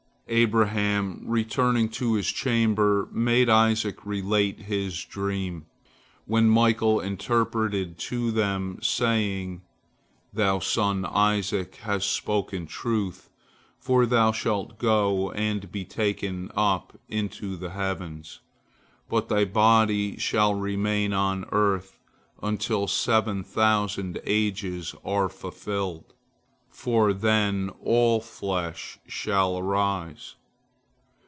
Abraham, returning to his chamber, made Isaac relate his dream, which Michael interpreted to them, saying: "Thy son Isaac has spoken truth, for thou shalt go and be taken up into the heavens, but thy body shall remain on earth, until seven thousand ages are fulfilled, for then all flesh shall arise.